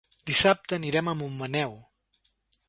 Dissabte anirem a Montmaneu.